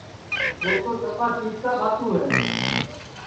چترِیا تو سپا چِیٹکا بھاتُو ہے